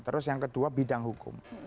terus yang kedua bidang hukum